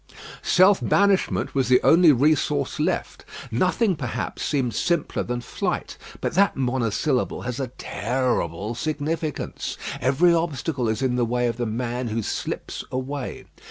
Self banishment was the only resource left. Nothing, perhaps, seems simpler than flight, but that monosyllable has a terrible significance. Every obstacle is in the way of the man who slips away.